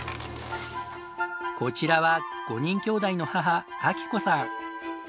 こちらは５人兄弟の母昭子さん。